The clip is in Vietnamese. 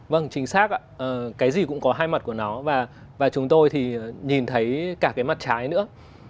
vâng chính xác ạ cái gì cũng có hai mặt của nó và chúng tôi thì nhìn thấy cả cái mặt trái nữa